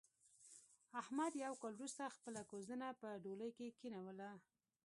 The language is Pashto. احمد یو کال ورسته خپله کوزدنه په ډولۍ کې کېنوله.